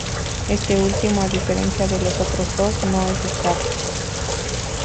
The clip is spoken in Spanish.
Este último, a diferencia de los otros dos, no es estable.